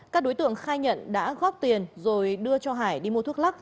các đối tượng khai nhận đã góp tiền rồi đưa cho hải đi mua thuốc lắc